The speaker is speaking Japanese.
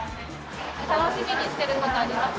楽しみにしてることはありま